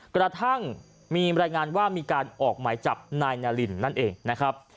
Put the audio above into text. กระทั่งมีบรรยายงานว่ามีการออกหมายจับนายนารินนั่นเองนะครับ